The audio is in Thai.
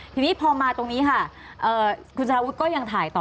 ทีนี้พอมาตรงนี้ค่ะคุณสารวุฒิก็ยังถ่ายต่อ